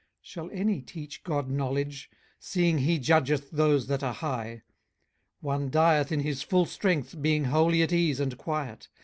18:021:022 Shall any teach God knowledge? seeing he judgeth those that are high. 18:021:023 One dieth in his full strength, being wholly at ease and quiet.